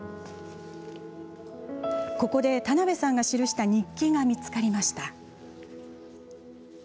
ここで田辺さんが記した日記が見つかりました。